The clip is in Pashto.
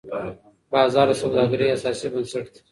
بازار د سوداګرۍ اساسي بنسټ دی.